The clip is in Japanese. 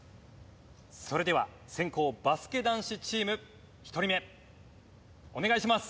それでは先攻バスケ男子チーム１人目お願いします。